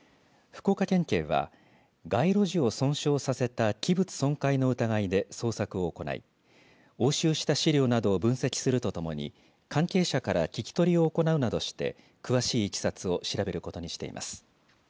福岡県警は街路樹を損傷させた器物損壊の疑いで捜索を行い押収した資料などを分析するとともに関係者から聴き取りを行うなどして詳しいいきさつを調べることにしています。